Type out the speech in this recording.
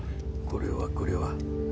これはこれは。